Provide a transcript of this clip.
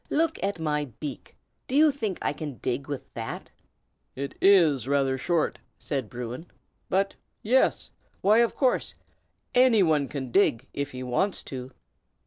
"Look at my beak! Do you think I can dig with that?" "It is rather short," said Bruin; "but yes! why, of course, any one can dig, if he wants to."